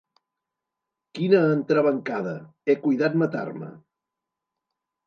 Quina entrebancada: he cuidat matar-me.